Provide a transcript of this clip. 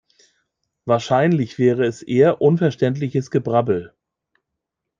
Wahrscheinlich wäre es eher unverständliches Gebrabbel.